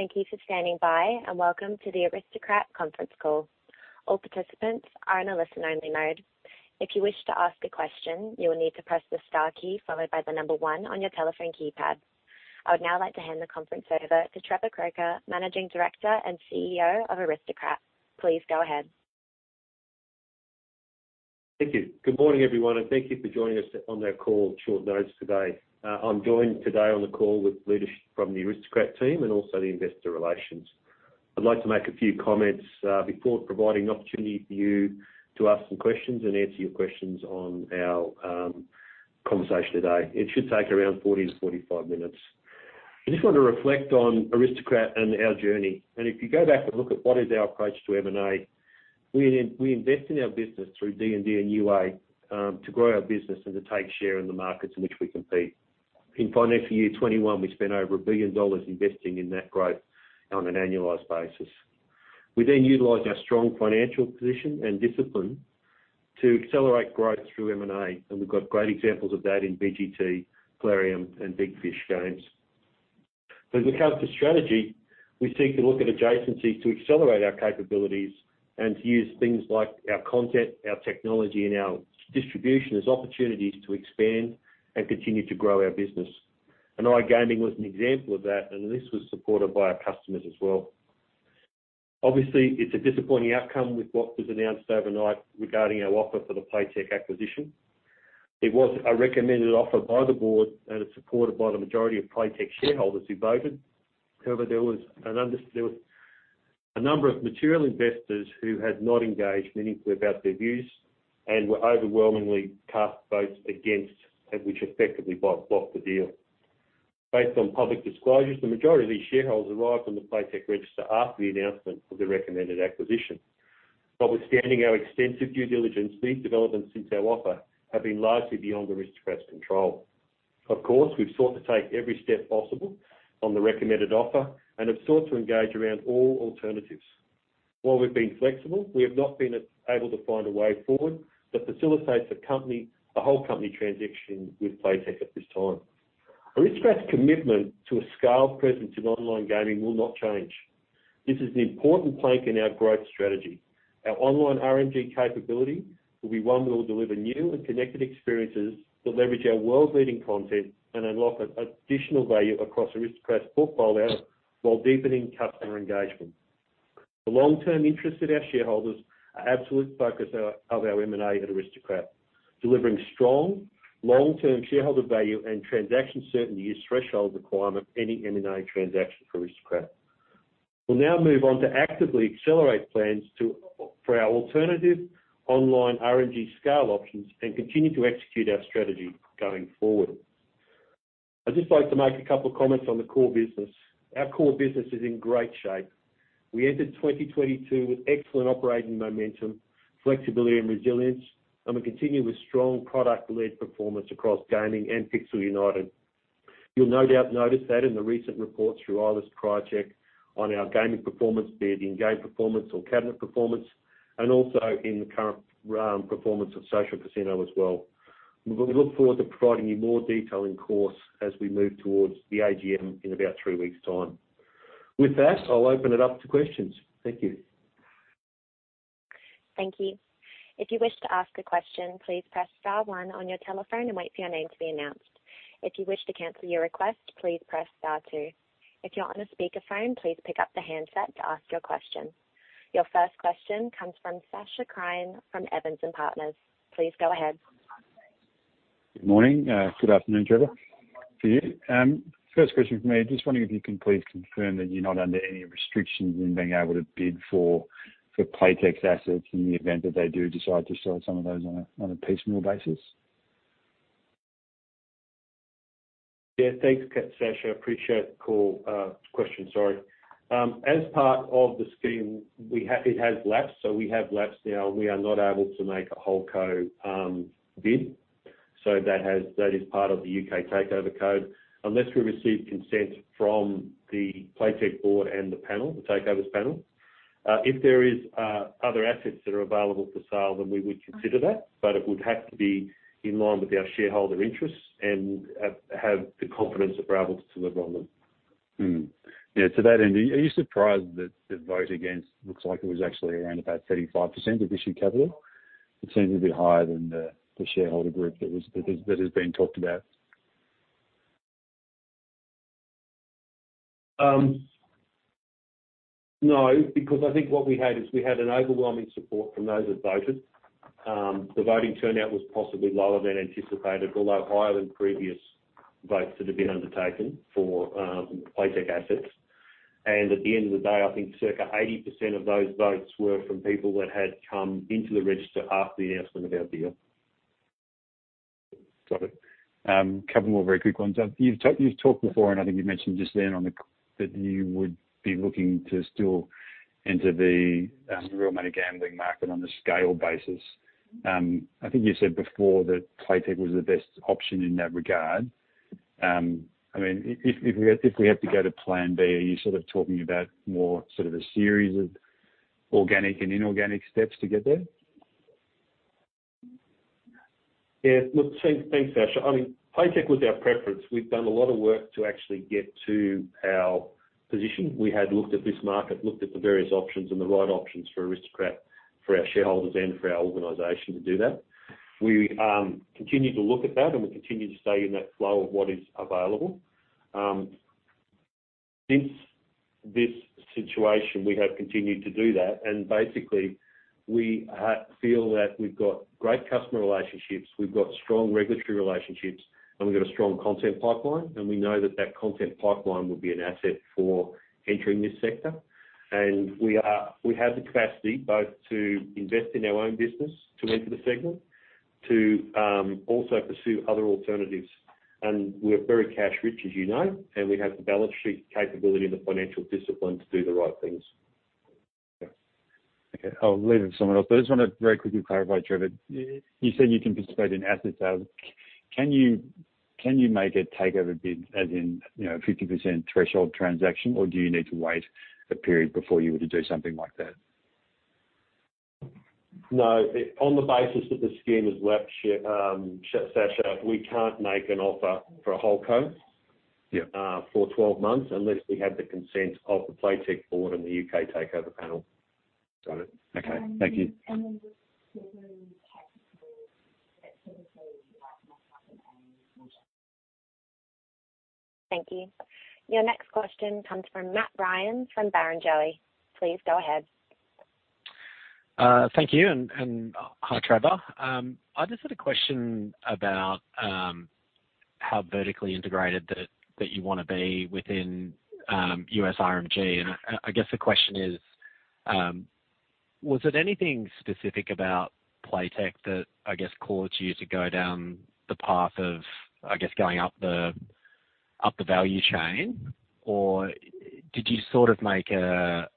Thank you for standing by, and welcome to the Aristocrat conference call. All participants are in a listen-only mode. If you wish to ask a question, you will need to press the star key followed by the number one on your telephone keypad. I would now like to hand the conference over to Trevor Croker, Managing Director and CEO of Aristocrat. Please go ahead. Thank you. Good morning, everyone, and thank you for joining us on that call at short notice today. I'm joined today on the call with leaders from the Aristocrat team and also the Investor Relations. I'd like to make a few comments before providing an opportunity for you to ask some questions and answer your questions on our conversation today. It should take around 40-45 minutes. I just want to reflect on Aristocrat and our journey. If you go back and look at what is our approach to M&A, we invest in our business through D&D and UA to grow our business and to take share in the markets in which we compete. In financial year 2021, we spent over 1 billion dollars investing in that growth on an annualized basis. We then utilized our strong financial position and discipline to accelerate growth through M&A, and we've got great examples of that in VGT, Clarion, and Big Fish Games. As we come to strategy, we seek to look at adjacencies to accelerate our capabilities and to use things like our content, our technology, and our distribution as opportunities to expand and continue to grow our business. iGaming was an example of that, and this was supported by our customers as well. Obviously, it's a disappointing outcome with what was announced overnight regarding our offer for the Playtech acquisition. It was a recommended offer by the board, and it's supported by the majority of Playtech shareholders who voted. However, there was a number of material investors who had not engaged meaningfully about their views and were overwhelmingly cast votes against, and which effectively blocked the deal. Based on public disclosures, the majority of these shareholders arrived on the Playtech register after the announcement of the recommended acquisition. Notwithstanding our extensive due diligence, these developments since our offer have been largely beyond Aristocrat's control. Of course, we've sought to take every step possible on the recommended offer and have sought to engage around all alternatives. While we've been flexible, we have not been able to find a way forward that facilitates the company, the whole company transaction with Playtech at this time. Aristocrat's commitment to a scaled presence in online gaming will not change. This is an important plank in our growth strategy. Our online RNG capability will be one that will deliver new and connected experiences that leverage our world-leading content and unlock additional value across Aristocrat's portfolio while deepening customer engagement. The long-term interest of our shareholders are absolute focus of our M&A at Aristocrat. Delivering strong long-term shareholder value and transaction certainty is threshold requirement any M&A transaction for Aristocrat. We'll now move on to actively accelerate plans to or for our alternative online RNG scale options and continue to execute our strategy going forward. I'd just like to make a couple comments on the core business. Our core business is in great shape. We entered 2022 with excellent operating momentum, flexibility, and resilience, and we continue with strong product-led performance across gaming and Pixel United. You'll no doubt notice that in the recent report through Eilers & Krejcik on our gaming performance, be it in game performance or cabinet performance, and also in the current performance of social casino as well. We'll look forward to providing you more detail in due course as we move towards the AGM in about three weeks' time. With that, I'll open it up to questions. Thank you. Thank you. If you wish to ask a question, please press star one on your telephone and wait for your name to be announced. If you wish to cancel your request, please press star two. If you're on a speakerphone, please pick up the handset to ask your question. Your first question comes from Sacha Krien from Evans & Partners. Please go ahead. Good morning. Good afternoon, Trevor, for you. First question for me, just wondering if you can please confirm that you're not under any restrictions in being able to bid for Playtech's assets in the event that they do decide to sell some of those on a piecemeal basis? Thanks, Sacha. Appreciate the call, question. Sorry. As part of the scheme, it has lapsed, so we have lapsed now. We are not able to make a whole co bid. That is part of the U.K. Takeover Code. Unless we receive consent from the Playtech board and the panel, the Takeover Panel. If there is other assets that are available for sale, then we would consider that, but it would have to be in line with our shareholder interests and have the confidence of our ability to live on them. Yeah, to that end, are you surprised that the vote against looks like it was actually around about 35% of issued capital? It seems a bit higher than the shareholder group that is being talked about. No, because I think what we had was overwhelming support from those that voted. The voting turnout was possibly lower than anticipated, although higher than previous votes that have been undertaken for Playtech assets. At the end of the day, I think circa 80% of those votes were from people that had come into the register after the announcement of our deal. Got it. A couple more very quick ones. You've talked before, and I think you mentioned just then on the call that you would be looking to still enter the real money gambling market on a scaled basis. I think you said before that Playtech was the best option in that regard. I mean, if we have to go to plan B, are you sort of talking about more sort of a series of organic and inorganic steps to get there? Yeah. Look, thanks, Sacha. I mean, Playtech was our preference. We've done a lot of work to actually get to our position. We had looked at this market, looked at the various options and the right options for Aristocrat, for our shareholders and for our organization to do that. We continue to look at that, and we continue to stay in that flow of what is available. Since this situation, we have continued to do that, and basically, we feel that we've got great customer relationships, we've got strong regulatory relationships, and we've got a strong content pipeline, and we know that that content pipeline will be an asset for entering this sector. We have the capacity both to invest in our own business to enter the segment, to also pursue other alternatives. We're very cash-rich, as you know, and we have the balance sheet capability and the financial discipline to do the right things. Okay. I'll leave it to someone else. I just wanna very quickly clarify, Trevor. You said you can participate in asset sales. Can you make a takeover bid, as in, you know, a 50% threshold transaction, or do you need to wait a period before you were to do something like that? No. On the basis that the scheme is left, Sacha, we can't make an offer for whole co- Yeah for 12 months unless we have the consent of the Playtech board and the U.K. Takeover Panel. Got it. Okay. Thank you. Just given tax rules that typically you might not have an earnings multiple. Thank you. Your next question comes from Matt Ryan from Barrenjoey. Please go ahead. Thank you. Hi, Trevor. I just had a question about how vertically integrated that you wanna be within U.S. RMG. I guess the question is, was it anything specific about Playtech that, I guess, caused you to go down the path of, I guess, going up the value chain? Or did you sort of make a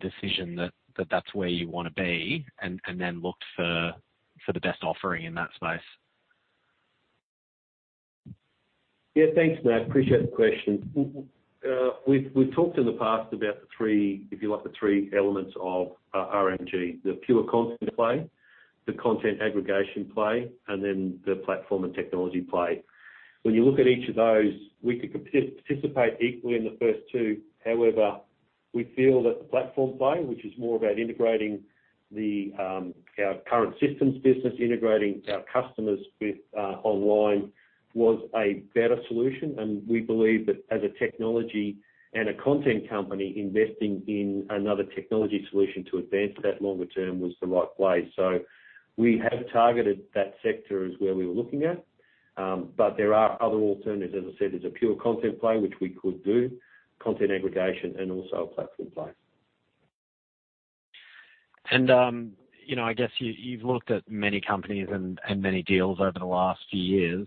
decision that that's where you wanna be and then looked for the best offering in that space? Yeah. Thanks, Matt. Appreciate the question. We've talked in the past about the three, if you like, the three elements of RMG, the pure content play, the content aggregation play, and then the platform and technology play. When you look at each of those, we could participate equally in the first two. However, we feel that the platform play, which is more about integrating our current systems business, integrating our customers with online, was a better solution. We believe that as a technology and a content company, investing in another technology solution to advance that longer term was the right play. We have targeted that sector as where we were looking at, but there are other alternatives. As I said, there's a pure content play which we could do, content aggregation, and also a platform play. You know, I guess you've looked at many companies and many deals over the last few years.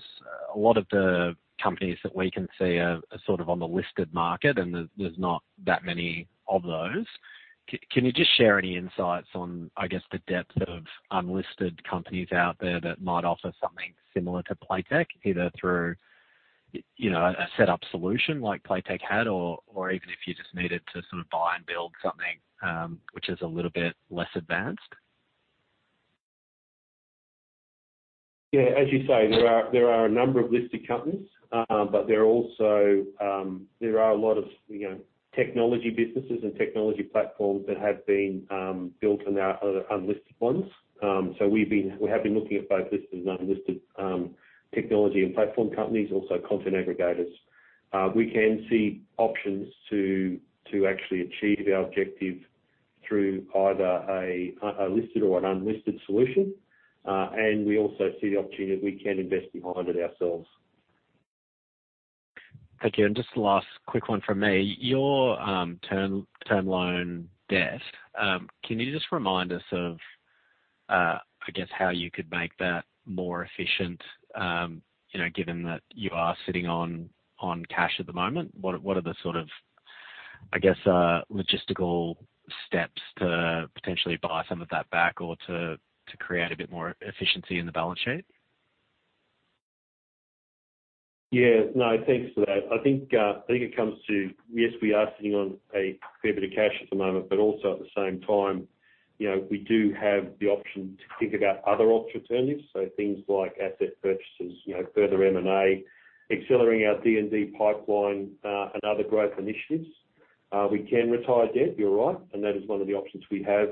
A lot of the companies that we can see are sort of on the listed market, and there's not that many of those. Can you just share any insights on, I guess, the depth of unlisted companies out there that might offer something similar to Playtech, either through, you know, a set-up solution like Playtech had or even if you just needed to sort of buy and build something, which is a little bit less advanced? Yeah, as you say, there are a number of listed companies, but there are also a lot of, you know, technology businesses and technology platforms that have been built and are unlisted ones. We have been looking at both listed and unlisted technology and platform companies, also content aggregators. We can see options to actually achieve our objective through either a listed or an unlisted solution. We also see the opportunity we can invest behind it ourselves. Thank you. Just the last quick one from me. Your term loan debt, can you just remind us of, I guess how you could make that more efficient, you know, given that you are sitting on cash at the moment? What are the sort of, I guess, logistical steps to potentially buy some of that back or to create a bit more efficiency in the balance sheet? Yeah. No, thanks for that. I think it comes to, yes, we are sitting on a fair bit of cash at the moment, but also at the same time, you know, we do have the option to think about other alternatives, so things like asset purchases, you know, further M&A, accelerating our D&D pipeline, and other growth initiatives. We can retire debt, you're right, and that is one of the options we have.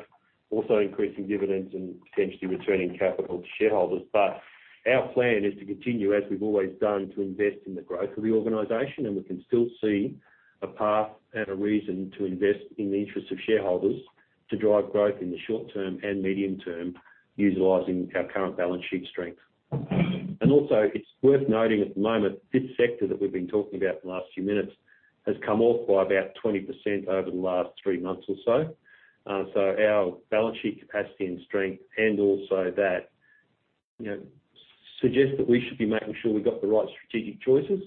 Also increasing dividends and potentially returning capital to shareholders. But our plan is to continue, as we've always done, to invest in the growth of the organization, and we can still see a path and a reason to invest in the interest of shareholders to drive growth in the short term and medium term utilizing our current balance sheet strength. Also, it's worth noting at the moment, this sector that we've been talking about in the last few minutes has come off by about 20% over the last three months or so. Our balance sheet capacity and strength and also that, you know, suggest that we should be making sure we've got the right strategic choices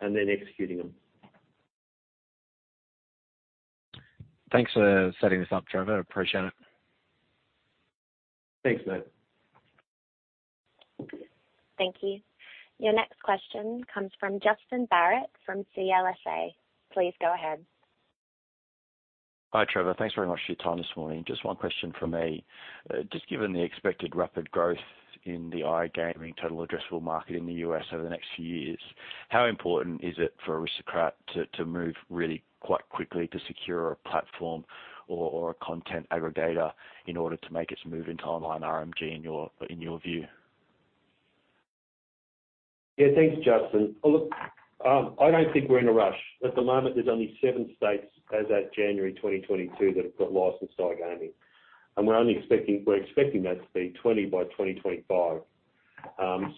and then executing them. Thanks for setting this up, Trevor. Appreciate it. Thanks, Matt. Thank you. Your next question comes from Justin Barratt from CLSA. Please go ahead. Hi, Trevor. Thanks very much for your time this morning. Just one question from me. Just given the expected rapid growth in the iGaming total addressable market in the U.S. over the next few years, how important is it for Aristocrat to move really quite quickly to secure a platform or a content aggregator in order to make its move into online RMG in your view? Yeah. Thanks, Justin. Look, I don't think we're in a rush. At the moment, there's only seven states as at January 2022 that have got licensed iGaming, and we're expecting that to be 20 by 2025.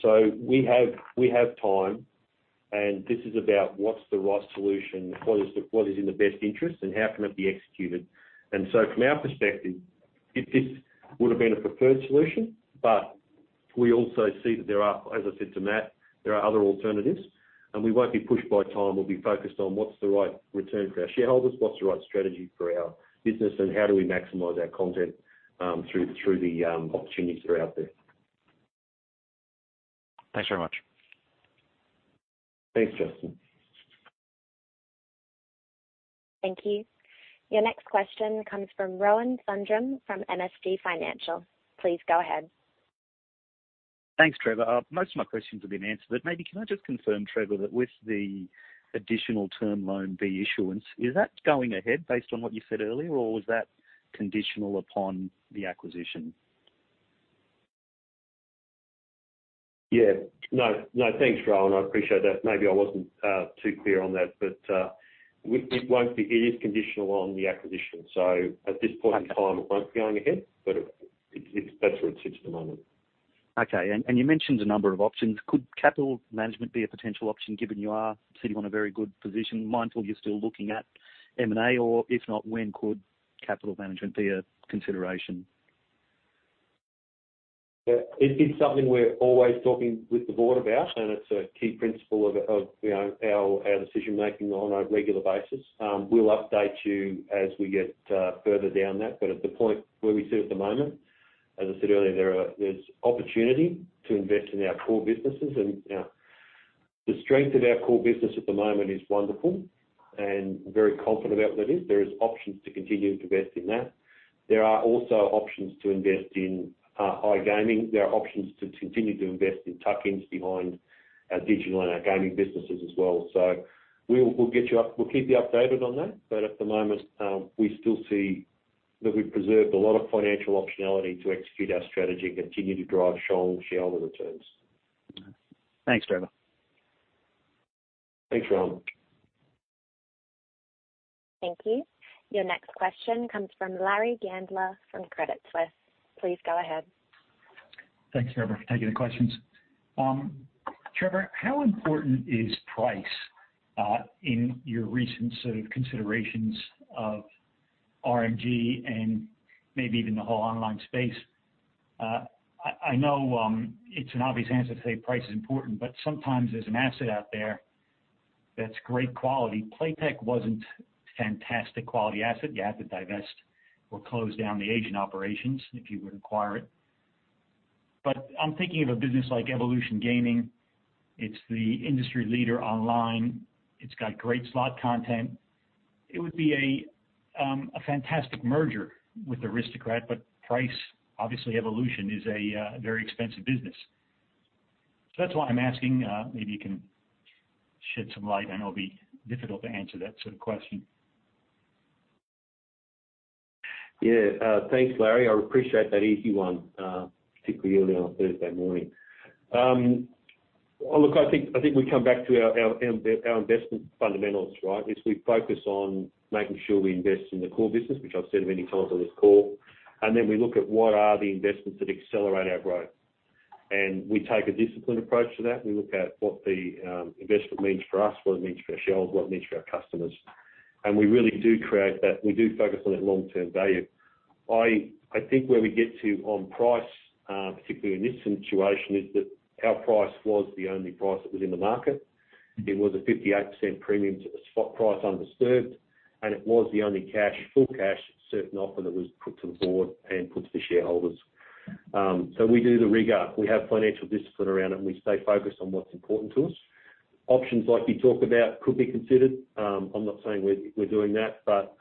So we have time, and this is about what's the right solution, what is in the best interest, and how can it be executed. From our perspective, this would have been a preferred solution, but we also see that there are, as I said to Matt, other alternatives, and we won't be pushed by time. We'll be focused on what's the right return for our shareholders, what's the right strategy for our business, and how do we maximize our content through the opportunities that are out there. Thanks very much. Thanks, Justin. Thank you. Your next question comes from Rohan Sundram from MST Financial. Please go ahead. Thanks, Trevor. Most of my questions have been answered. Maybe can I just confirm, Trevor, that with the additional Term Loan B issuance, is that going ahead based on what you said earlier, or was that conditional upon the acquisition? Yeah. No, no, thanks, Rohan. I appreciate that. Maybe I wasn't too clear on that. But it won't be. It is conditional on the acquisition. At this point in time- Okay. It won't be going ahead, but that's where it sits at the moment. Okay. You mentioned a number of options. Could capital management be a potential option given you are sitting on a very good position, mindful you're still looking at M&A? Or if not, when could capital management be a consideration? Yeah. It's something we're always talking with the board about, and it's a key principle of you know our decision-making on a regular basis. We'll update you as we get further down that. At the point where we sit at the moment, as I said earlier, there's opportunity to invest in our core businesses. You know, the strength of our core business at the moment is wonderful and very confident about where that is. There is options to continue to invest in that. There are also options to invest in iGaming. There are options to continue to invest in tuck-ins behind our digital and our gaming businesses as well. We'll keep you updated on that. At the moment, we still see that we've preserved a lot of financial optionality to execute our strategy and continue to drive shareholder returns. Thanks, Trevor. Thanks, Rohan. Thank you. Your next question comes from Larry Gandler from Credit Suisse. Please go ahead. Thanks, Trevor, for taking the questions. Trevor, how important is price in your recent sort of considerations of RMG and maybe even the whole online space? I know it's an obvious answer to say price is important, but sometimes there's an asset out there that's great quality. Playtech wasn't fantastic quality asset. You have to divest or close down the Asian operations if you would acquire it. I'm thinking of a business like Evolution Gaming. It's the industry leader online. It's got great slot content. It would be a fantastic merger with Aristocrat, but price, obviously, Evolution is a very expensive business. That's why I'm asking. Maybe you can shed some light. I know it'll be difficult to answer that sort of question. Yeah. Thanks, Larry. I appreciate that easy one, particularly early on a Thursday morning. Look, I think we come back to our investment fundamentals, right? As we focus on making sure we invest in the core business, which I've said many times on this call, and then we look at what are the investments that accelerate our growth. We take a disciplined approach to that. We look at what the investment means for us, what it means for our shareholders, what it means for our customers. We really do create that. We do focus on that long-term value. I think where we get to on price, particularly in this situation, is that our price was the only price that was in the market. It was a 58% premium to the spot price undisturbed, and it was the only cash, full cash certain offer that was put to the board and put to the shareholders. We do the rigor, we have financial discipline around it, and we stay focused on what's important to us. Options like you talk about could be considered. I'm not saying we're doing that, but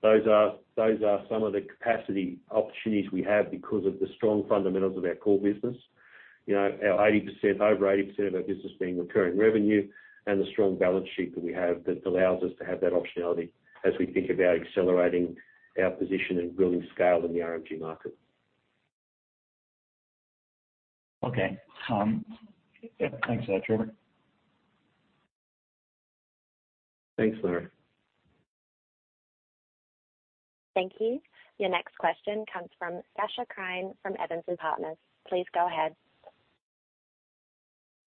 those are some of the capacity options we have because of the strong fundamentals of our core business. You know, our 80%, over 80% of our business being recurring revenue and the strong balance sheet that we have that allows us to have that optionality as we think about accelerating our position and building scale in the RMG market. Okay. Yeah, thanks for that, Trevor. Thanks, Larry. Thank you. Your next question comes from Sacha Krien from Evans & Partners. Please go ahead.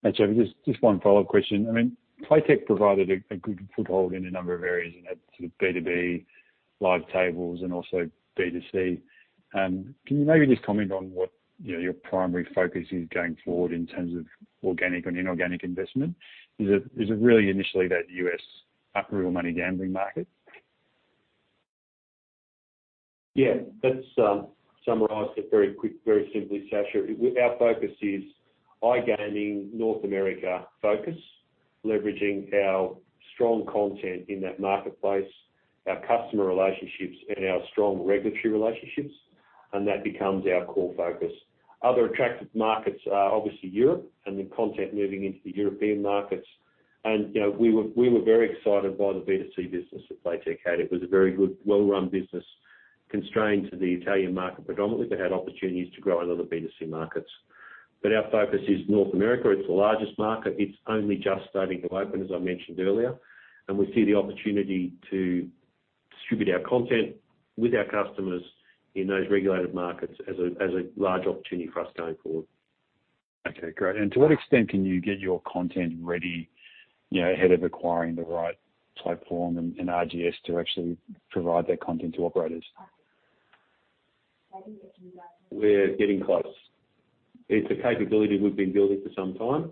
Hey, Trevor. Just one follow-up question. I mean, Playtech provided a good foothold in a number of areas in that sort of B2B, live tables and also B2C. Can you maybe just comment on what, you know, your primary focus is going forward in terms of organic and inorganic investment? Is it really initially that U.S. real money gambling market? Yeah. Let's summarize it very quickly, very simply, Sacha. Our focus is iGaming North America focus, leveraging our strong content in that marketplace, our customer relationships and our strong regulatory relationships, and that becomes our core focus. Other attractive markets are obviously Europe and the content moving into the European markets. You know, we were very excited by the B2C business that Playtech had. It was a very good, well-run business constrained to the Italian market predominantly, but had opportunities to grow in other B2C markets. Our focus is North America. It's the largest market. It's only just starting to open, as I mentioned earlier, and we see the opportunity to distribute our content with our customers in those regulated markets as a large opportunity for us going forward. Okay, great. To what extent can you get your content ready, you know, ahead of acquiring the right platform and RGS to actually provide that content to operators? We're getting close. It's a capability we've been building for some time.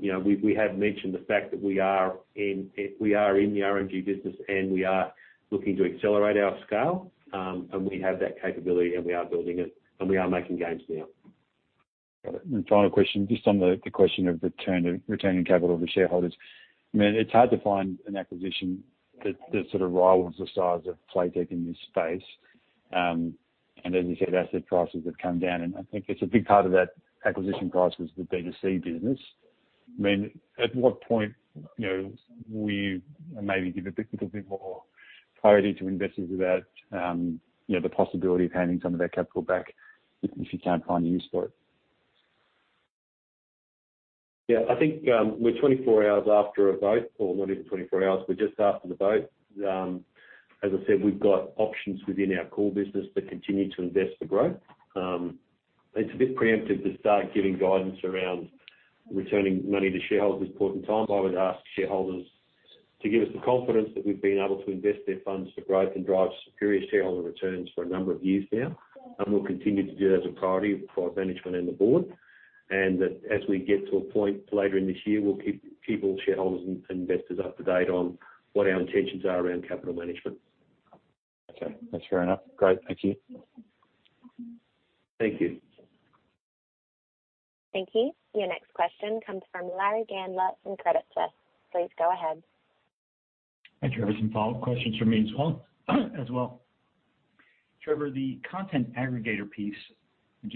We have mentioned the fact that we are in the RNG business, and we are looking to accelerate our scale. We have that capability, and we are building it, and we are making gains now. Got it. Final question, just on the question of returning capital to shareholders. I mean, it's hard to find an acquisition that sort of rivals the size of Playtech in this space. As you said, asset prices have come down, and I think it's a big part of that acquisition price was the B2C business. I mean, at what point, you know, will you maybe give a little bit more priority to investors about, you know, the possibility of handing some of that capital back if you can't find use for it? Yeah. I think, we're 24 hours after a vote, or not even 24 hours. We're just after the vote. As I said, we've got options within our core business to continue to invest for growth. It's a bit preemptive to start giving guidance around returning money to shareholders at this point in time. I would ask shareholders to give us the confidence that we've been able to invest their funds for growth and drive superior shareholder returns for a number of years now. We'll continue to do that as a priority for management and the board. That as we get to a point later in this year, we'll keep people, shareholders, and investors up to date on what our intentions are around capital management. Okay. That's fair enough. Great. Thank you. Thank you. Thank you. Your next question comes from Larry Gandler from Credit Suisse. Please go ahead. Hi, Trevor. Some follow-up questions from me as well. Trevor, the content aggregator piece, and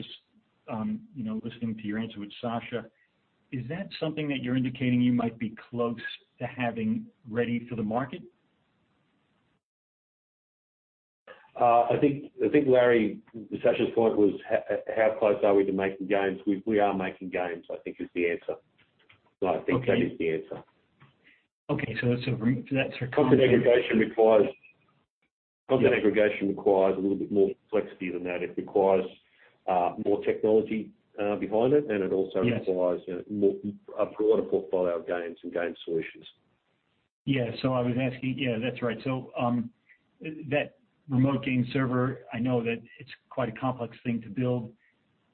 just, you know, listening to your answer with Sacha, is that something that you're indicating you might be close to having ready for the market? I think, Larry, Sacha's point was how close are we to making games? We are making games, I think is the answer. Well, I think- Okay. That is the answer. Okay. That's your- Content aggregation requires. Yeah. Content aggregation requires a little bit more complexity than that. It requires more technology behind it, and it also- Yes. Requires a broader portfolio of games and game solutions. That remote game server, I know that it's quite a complex thing to build,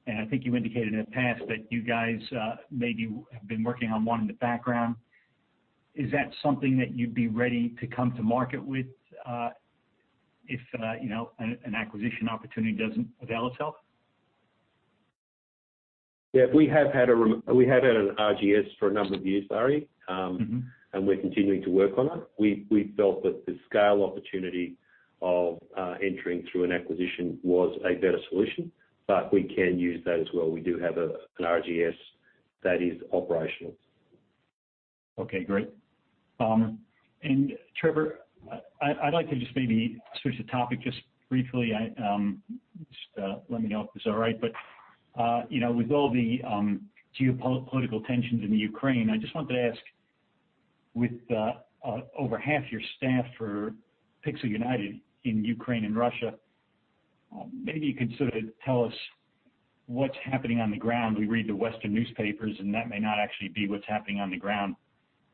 and I think you indicated in the past that you guys maybe have been working on one in the background. Is that something that you'd be ready to come to market with, if you know, an acquisition opportunity doesn't avail itself? Yeah. We have had an RGS for a number of years, Larry. Mm-hmm. We're continuing to work on it. We felt that the scale opportunity of entering through an acquisition was a better solution, but we can use that as well. We do have an RGS that is operational. Okay, great. Trevor, I'd like to just maybe switch the topic just briefly. Let me know if this is all right. You know, with all the geopolitical tensions in the Ukraine, I just wanted to ask, with over half your staff for Pixel United in Ukraine and Russia, maybe you could sort of tell us what's happening on the ground. We read the Western newspapers, and that may not actually be what's happening on the ground,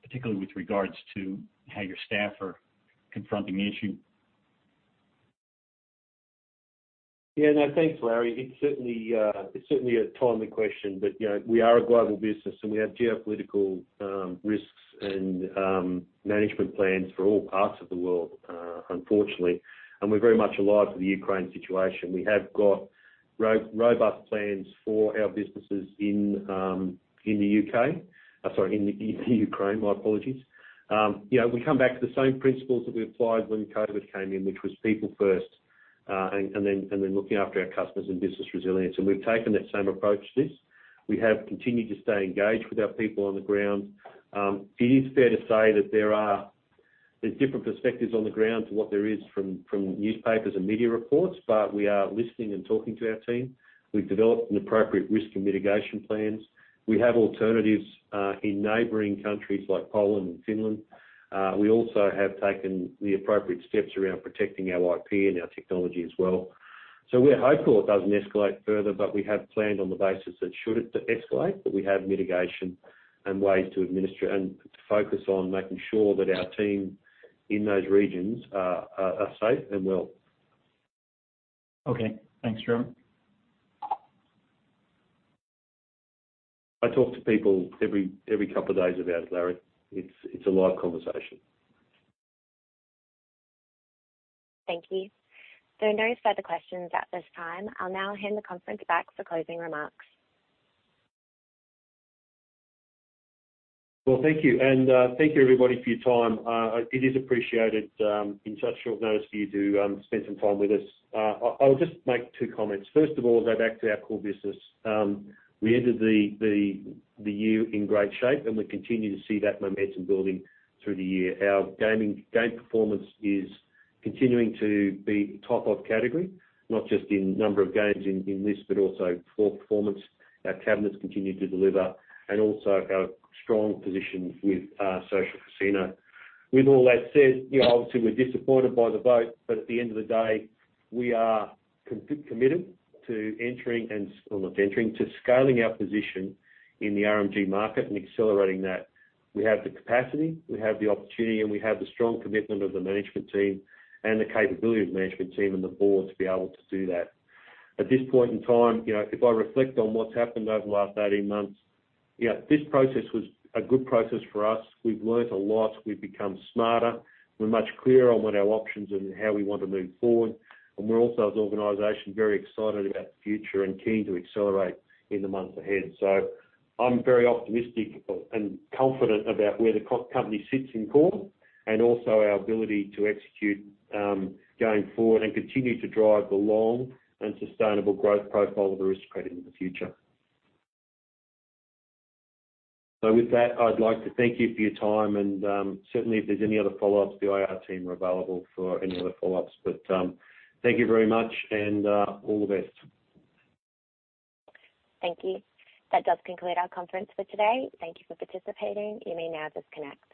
particularly with regards to how your staff are confronting the issue. Yeah. No. Thanks, Larry. It's certainly a timely question, but, you know, we are a global business, and we have geopolitical risks and management plans for all parts of the world, unfortunately. We're very much alive to the Ukraine situation. We have got robust plans for our businesses in the U.K. Sorry, in Ukraine. My apologies. You know, we come back to the same principles that we applied when COVID came in, which was people first, and then looking after our customers and business resilience. We've taken that same approach to this. We have continued to stay engaged with our people on the ground. It is fair to say that there are, there's different perspectives on the ground to what there is from newspapers and media reports, but we are listening and talking to our team. We've developed an appropriate risk and mitigation plans. We have alternatives in neighboring countries like Poland and Finland. We also have taken the appropriate steps around protecting our IP and our technology as well. We're hopeful it doesn't escalate further, but we have planned on the basis that should it escalate, that we have mitigation and ways to administer and to focus on making sure that our team in those regions are safe and well. Okay. Thanks, Trevor. I talk to people every couple of days about it Larry. It's a live conversation. Thank you. There are no further questions at this time. I'll now hand the conference back for closing remarks. Well, thank you. Thank you everybody for your time. It is appreciated in such short notice for you to spend some time with us. I will just make two comments. First of all, go back to our core business. We ended the year in great shape, and we continue to see that momentum building through the year. Our game performance is continuing to be top of category, not just in number of games in this, but also for performance. Our cabinets continue to deliver and also have a strong position with social casino. With all that said, you know, obviously, we're disappointed by the vote, but at the end of the day, we are committed to scaling our position in the RMG market and accelerating that. We have the capacity, we have the opportunity, and we have the strong commitment of the management team and the capability of management team and the board to be able to do that. At this point in time, you know, if I reflect on what's happened over the last 18 months, you know, this process was a good process for us. We've learned a lot. We've become smarter. We're much clearer on what our options and how we want to move forward. We're also, as an organization, very excited about the future and keen to accelerate in the months ahead. I'm very optimistic and confident about where the company sits today and also our ability to execute, going forward and continue to drive the long and sustainable growth profile of Aristocrat in the future. With that, I'd like to thank you for your time. Certainly if there's any other follow-ups, the IR team are available for any other follow-ups. Thank you very much and all the best. Thank you. That does conclude our conference for today. Thank you for participating. You may now disconnect.